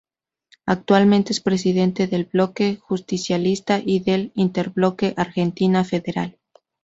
Actualmente, es presidente del Bloque Justicialista y del Interbloque Argentina Federal.